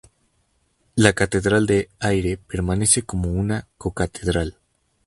La catedral de Aire permanece como una co-catedral.